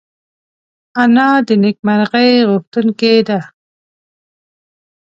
انا د نېکمرغۍ غوښتونکې ده